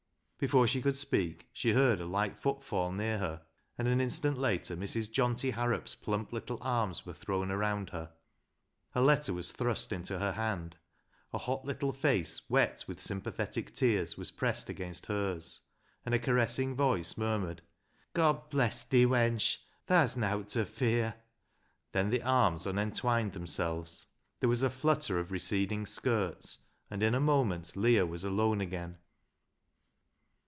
Before she could speak she heard a light footfall near her, and an instant later Mrs. Johnty Harrop's plump little arms were thrown around her, a letter was thrust into her hand, a hot little face, wet with sympathetic tears, was pressed against hers, and a caressing voice murmured, " God bless thi, wench ! tha's nowt ta fear," then the arms unentwined themselves, there was a flutter of receding skirts, and in a moment Leah was alone again.